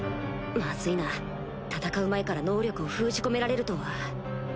まずいな戦う前から能力を封じ込められるとは